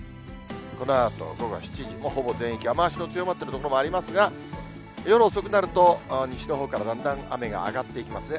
このあと午後７時、もうほぼ全域、雨足の強まっている所もありますが、夜遅くなると、西のほうからだんだん雨が上がっていきますね。